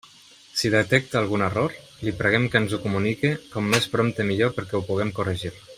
Si detecta algun error, li preguem que ens ho comunique com més prompte millor perquè ho puguem corregir.